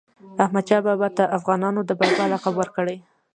احمدشاه بابا ته افغانانو د "بابا" لقب ورکړی.